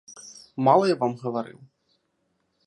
Мала я вам гаварыў?